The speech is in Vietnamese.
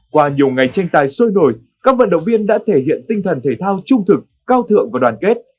qua nhiều ngày tranh tài sôi nổi các vận động viên đã thể hiện tinh thần thể thao trung thực cao thượng và đoàn kết